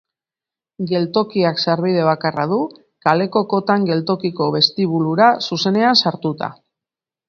Geltokiak sarbide bakarra du, kaleko kotan geltokiko bestibulura zuzenean sartuta.